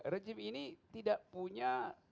rejim ini tidak punya